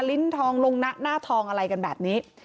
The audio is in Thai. ลิ้นทองลงนะหน้าทองอะไรกันแบบนี้